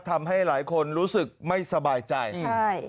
ทำให้หลายคนรู้สึกไม่สบายใจใช่